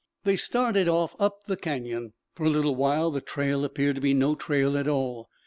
They started off up the canyon. For a little way the trail appeared to be no trail at all.